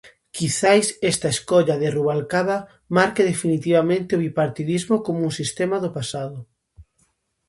Quizais esta escolla de Rubalcaba marque definitivamente o bipartidismo como un sistema do pasado.